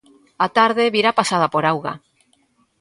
A tarde virá pasada por auga.